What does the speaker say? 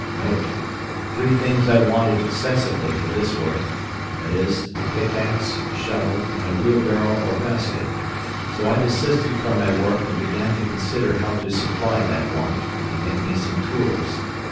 Note.—Three things I wanted exceedingly for this work—viz. a pickaxe, a shovel, and a wheelbarrow or basket; so I desisted from my work, and began to consider how to supply that want, and make me some tools.